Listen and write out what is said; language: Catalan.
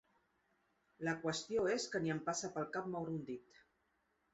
La qüestió és que ni em passa pel cap moure un dit.